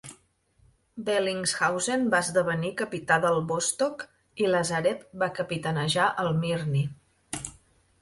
Bellingshausen va esdevenir capità del "Vostok", i Lazarev va capitanejar el "Mirny".